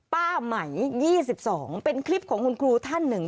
ไหม๒๒เป็นคลิปของคุณครูท่านหนึ่ง